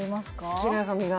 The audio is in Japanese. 好きな髪形